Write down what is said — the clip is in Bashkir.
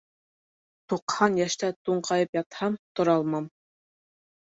Туҡһан йәштә туңҡайып ятһам, торалмам.